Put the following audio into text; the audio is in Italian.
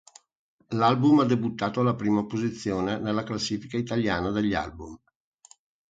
L'album ha debuttato alla prima posizione nella classifica italiana degli album.